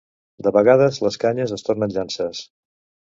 De vegades les canyes es tornen llances.